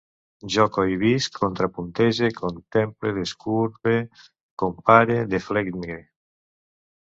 Jo cohibisc, contrapuntege, contemple, decurve, compare, deflegme